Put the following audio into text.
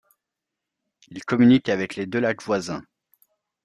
Il communique avec les deux lacs voisins.